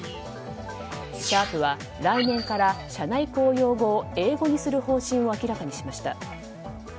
シャープは来年から社内公用語を英語にする方針を明らかにしました。